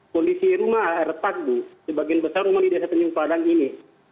kondisi rumah retak bu sebagian besar rumah di desa tanjung padang ini